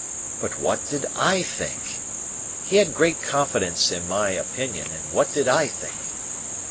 But what did I think? He had great confidence in my opinion, and what did I think?